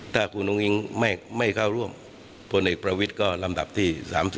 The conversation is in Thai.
ถ้าคุณอุ้งอิงไม่เข้าร่วมพลเอกประวิทย์ก็ลำดับที่๓๐